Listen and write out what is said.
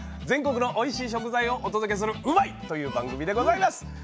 全国のおいしい食材をお届けする「うまいッ！」という番組でございます。